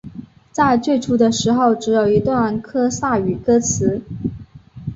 在最初的时候只有一段科萨语歌词。